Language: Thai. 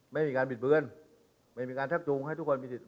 ไม่มีการบิดเบือนไม่มีการชักจูงให้ทุกคนมีสิทธิ